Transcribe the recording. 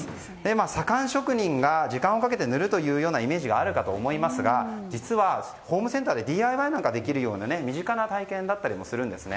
左官職人が時間をかけて塗るというようなイメージがあるかと思いますが実は、ホームセンターでＤＩＹなんてできるような身近な体験だったりするんです。